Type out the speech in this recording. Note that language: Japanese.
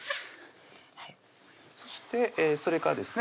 そしてそれからですね